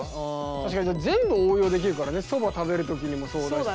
確かに全部応用できるからねそば食べる時にもそうだしさ。